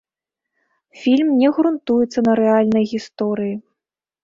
Фільм не грунтуецца на рэальнай гісторыі.